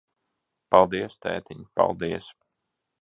Paldies, tētiņ, paldies.